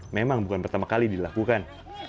memang bukan pertama kali dilakukan